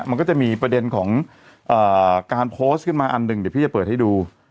มันก็จะมีประเด็นของการโพสต์ขึ้นมาอันหนึ่งเดี๋ยวพี่จะเปิดให้ดู